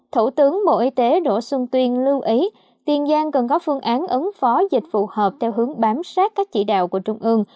thủ tướng bộ y tế đỗ xuân tuyên lưu ý tiền giang cần có phương án ứng phó dịch phù hợp theo hướng bám sát các chỉ đạo của trung ương